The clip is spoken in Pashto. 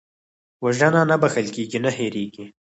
وژنه نه بښل کېږي، نه هېرېږي